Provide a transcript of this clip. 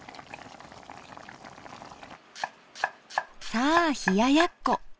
さあ冷ややっこ。